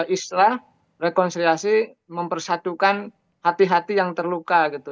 islah rekonsiliasi mempersatukan hati hati yang terluka gitu